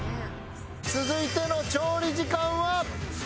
続いての調理時間は。